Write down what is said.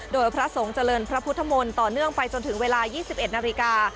โดยพระสงฆ์เจริญพระพุทธมนต์ต่อเนื่องไปจนถึงเวลา๒๑นาฬิกา